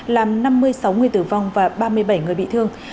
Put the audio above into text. làm năm mươi sáu người tử vong và ba mươi bảy người bị thương